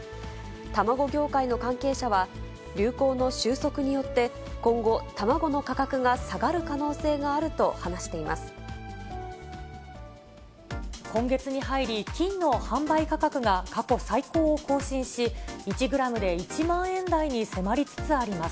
卵業界の関係者は、流行の収束によって、今後、卵の価格が下がる可能性があると今月に入り、金の販売価格が過去最高を更新し、１グラムで１万円台に迫りつつあります。